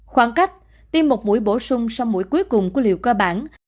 khoảng cách tiêm một mũi bổ sung sau mũi cuối cùng của liều cơ bản